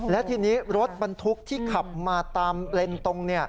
และทีนี้รถบรรทุกที่ขับมาตามเลนส์ตรง